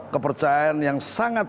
kepercayaan yang sangat